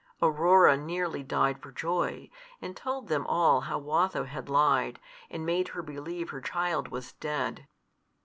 Aurora nearly died for joy, and told them all how Watho had lied, and made her believe her child was dead.